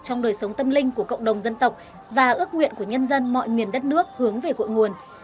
trong đời sống tâm linh của cộng đồng dân tộc và ước nguyện của nhân dân mọi miền đất nước hướng về cội nguồn